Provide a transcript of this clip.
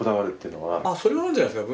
それはあるんじゃないですか。